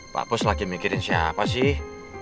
pak pus lagi mikirin siapa sih